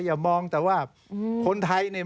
อย่ามองแต่ว่าคนไทยเนี่ย